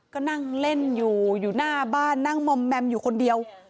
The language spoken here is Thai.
ก็นั่งเล่นอยู่อยู่หน้าบ้านนั่งมอมแมมอยู่คนเดียว